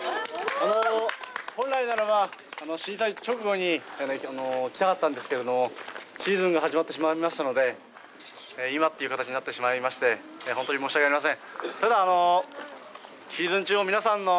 あの本来ならば震災直後に来たかったんですけれどもシーズンが始まってしまいましたので今っていう形になってしまいましてホントに申し訳ありません